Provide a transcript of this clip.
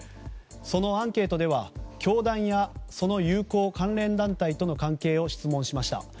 そのアンケートでは、教団やその友好・関連団体との関係を質問しました。